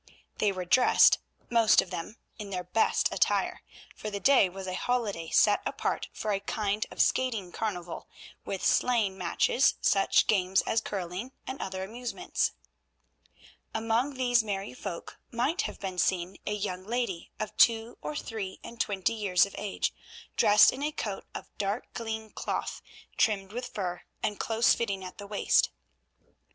They were dressed, most of them, in their best attire, for the day was a holiday set apart for a kind of skating carnival, with sleighing matches, such games as curling, and other amusements. Among these merry folk might have been seen a young lady of two or three and twenty years of age, dressed in a coat of dark green cloth trimmed with fur, and close fitting at the waist.